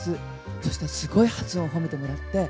そしたら、すごい発音褒めてもらって。